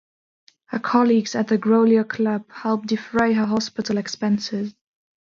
Her colleagues at the Grolier Club helped defray her hospital expenses.